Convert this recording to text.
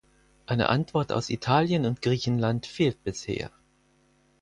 Eine Antwort aus Italien und Griechenland fehlt bisher.